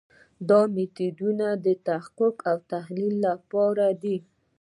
دا میتودونه د تحقیق او تحلیل لپاره دي.